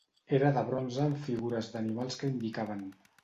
Era de bronze amb figures d'animals que indicaven.